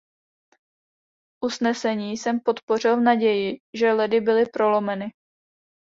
Usnesení jsem podpořil v naději, že ledy byly prolomeny.